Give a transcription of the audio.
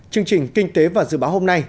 chương trình kinh tế và dự báo hôm nay